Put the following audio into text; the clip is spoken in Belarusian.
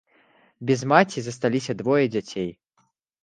Без маці засталіся двое дзяцей.